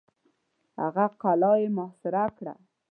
هغه قلا یې محاصره کړه.